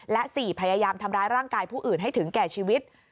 และ๔พยายามทำร้ายร่างกายผู้อื่นให้ถึงแก่ชีวิต